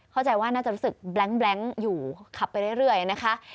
เข้าใจว่าน่าจะรู้สึกแบล็งอยู่ขับไปเรื่อยนะคะ